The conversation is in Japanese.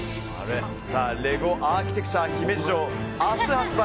レゴアーキテクチャ姫路城明日発売！